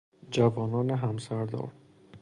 جوانان همسردار